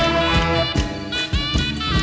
กลับไปที่นี่